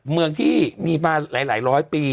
เมืองที่มาหมดหลายหลายร้อยปี